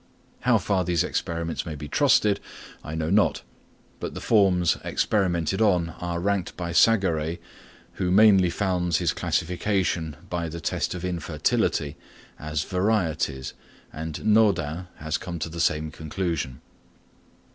How far these experiments may be trusted, I know not; but the forms experimented on are ranked by Sagaret, who mainly founds his classification by the test of infertility, as varieties, and Naudin has come to the same conclusion.